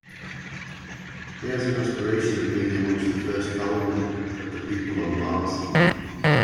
He has an aspiration of being amongst the first colony of people on Mars.